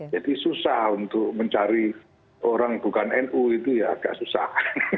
jadi susah untuk mencari orang bukan nu itu ya agak susah